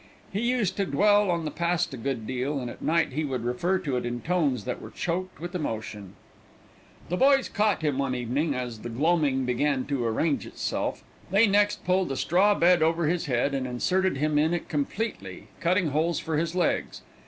He used to dwell on the past a good deal, and at night he would refer to it in tones that were choked with emotion. The boys caught him one evening as the gloaming began to arrange itself, and threw him down on the green grass. They next pulled a straw bed over his head, and inserted him in it completely, cutting holes for his legs.